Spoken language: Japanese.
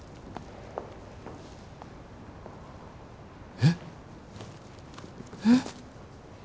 えっ？えっ？